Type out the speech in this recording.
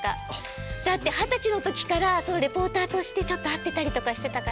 だって二十歳の時からリポーターとしてちょっと会ってたりとかしてたから。